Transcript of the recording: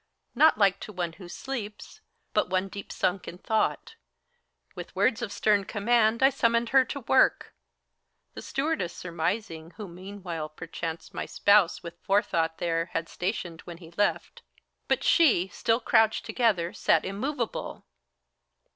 Not like to one who sleeps, but one deep sunk in thought. With words of stern command I summoned her to work, The stewardess surmising, who meanwhile, perchance, My spouse with forethought there had stationed when he left; But she, still crouched together, sat immovable.